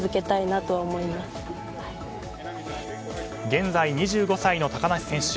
現在２５歳の高梨選手。